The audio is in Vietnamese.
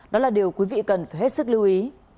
đó là điều quý vị cần phải hết sức lưu ý